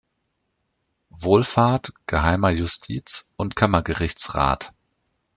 Wolfart, Geheimer Justiz- und Kammergerichts-Rath.